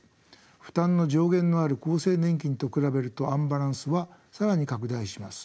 負担の上限のある厚生年金と比べるとアンバランスは更に拡大します。